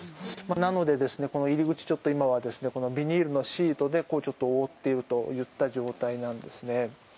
なので、この入り口ちょっと今はビニールのシートで覆っているといった状態なんですね。